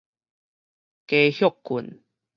加歇睏